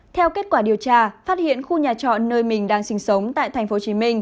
theo kết quả điều tra phát hiện khu nhà trọ nơi mình đang sinh sống tại tp hcm